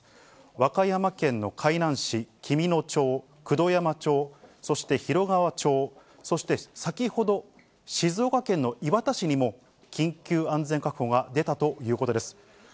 和歌山県の海南市、紀美野町、九度山町、そして広川町、そして先ほど、静岡県の磐田市にも、緊急安全確保が出たということです。